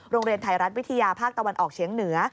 โรงเรียนไทยรัฐวิทยาภาคตะวันออกเฉียงเหนือ